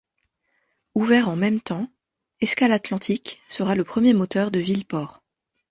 Ouvert en même temps, Escal’Atlantic sera le premier moteur de Ville-Port.